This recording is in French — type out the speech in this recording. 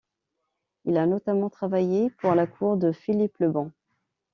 Il a notamment travaillé pour la cour de Philippe le Bon.